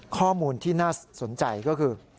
ข้อมูลที่น่าสนใจก็คือ